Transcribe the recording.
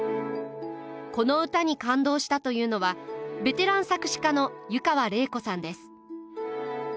この歌に感動したというのはベテラン作詞家の湯川れい子さんです。